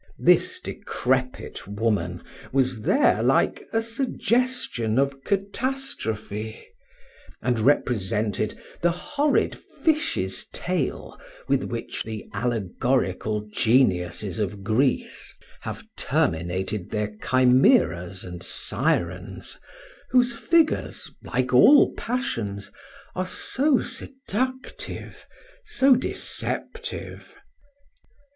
This decrepit woman was there like a suggestion of catastrophe, and represented the horrid fish's tail with which the allegorical geniuses of Greece have terminated their chimeras and sirens, whose figures, like all passions, are so seductive, so deceptive.